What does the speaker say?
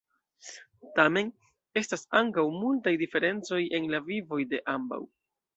Tamen, estas ankaŭ multaj diferencoj en la vivoj de ambaŭ.